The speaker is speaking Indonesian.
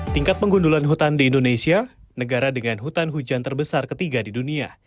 tingkat pengundulan hutan di indonesia negara dengan hutan hujan terbesar ketiga di dunia